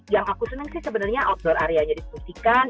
yang aku senang sih sebenernya outdoor area nya diskusikan